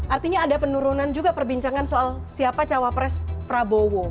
artinya ada penurunan juga perbincangan soal siapa cawapres prabowo